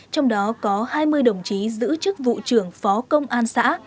trong đó có hai mươi đồng chí giữ chức vụ trưởng phó công an xã